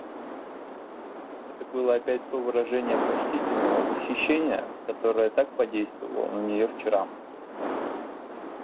Это было опять то выражение почтительного восхищения, которое так подействовало на нее вчера.